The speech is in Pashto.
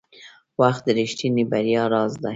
• وخت د رښتیني بریا راز دی.